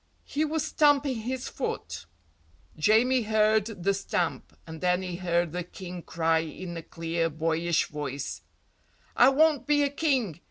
He was stamping his foot, Jamie heard the stamp, and then he heard the King cry in a clear, boyish voice, "I won't be a King!